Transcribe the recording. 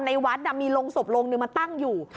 ในวัดมีโรงศพโรงนึงมาตั้งอยู่